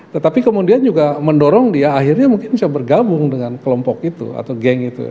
tetapi kemudian juga mendorong dia akhirnya mungkin bisa bergabung dengan kelompok itu atau geng itu